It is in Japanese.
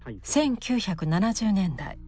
１９７０年代